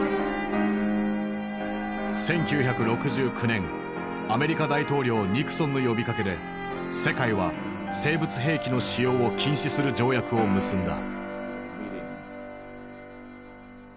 １９６９年アメリカ大統領ニクソンの呼びかけで世界は生物兵器の使用を禁止する条約を結んだ。